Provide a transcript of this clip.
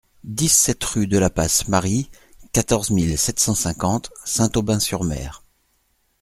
dix-sept rue de la Passe Mary, quatorze mille sept cent cinquante Saint-Aubin-sur-Mer